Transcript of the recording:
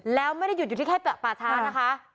แล้วไม่ได้หยุดอยู่ที่แค่ป่าช้านะคะ